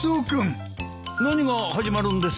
何が始まるんですか？